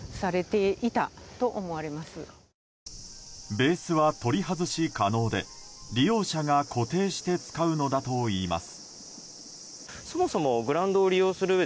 ベースは取り外し可能で利用者が固定して使うのだといいます。